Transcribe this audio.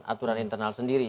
aturan internal sendiri